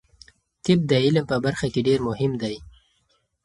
طب د علم په برخه کې ډیر مهم دی.